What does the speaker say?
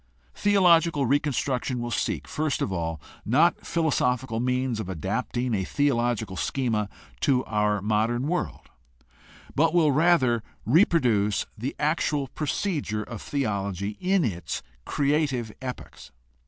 Theological reconstruction will seek, first of all, not philo sophical means of adapting a theological schema to our modern world, but will rather reproduce the actual procedure of theology in its creative epochs.